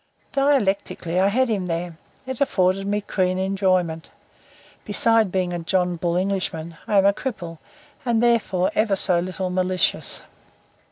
Dialectically, I had him there. It afforded me keen enjoyment. Besides being a John Bull Englishman, I am a cripple and therefore ever so little malicious.